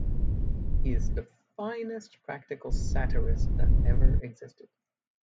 He is the finest practical satyrist that ever existed.